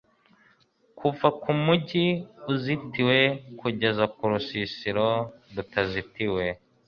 kuva ku mugi uzitiwe kugeza ku rusisiro rutazitiwe